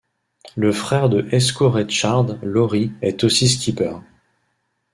Le frère de Esko Rechardt, Lauri, est aussi skipper.